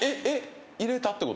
「入れたってこと？